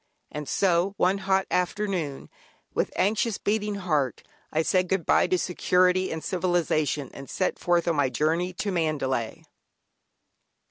And so, one hot afternoon, with anxious beating heart, I said "Good bye" to security and civilisation, and set forth on my journey to Mandalay!